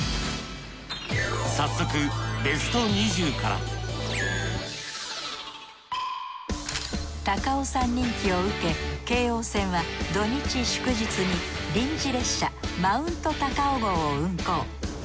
早速ＢＥＳＴ２０から高尾山人気を受け京王線は土日祝日に臨時列車Ｍｔ．ＴＡＫＡＯ号を運行。